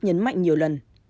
nhấn mạnh nhiều lần